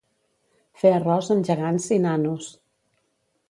Fer arròs amb gegants i «nanos».